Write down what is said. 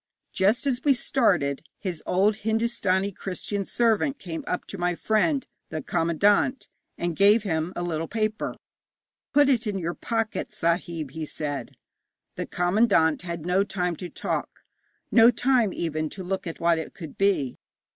Just as we started, his old Hindostani Christian servant came up to my friend, the commandant, and gave him a little paper. 'Put it in your pocket, sahib,' he said. The commandant had no time to talk, no time even to look at what it could be.